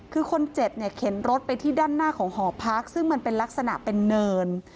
คือคนเจ็บเนี่ยเข็นรถไปที่ด้านหน้าของหอพักซึ่งมันเป็นลักษณะเป็นเนิน